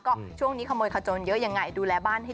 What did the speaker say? ก็ช่วงนี้ขโมยขจนเยอะยังไงดูแลบ้านให้